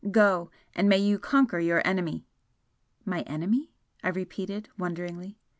Go! and may you conquer your enemy!" "My enemy?" I repeated, wonderingly.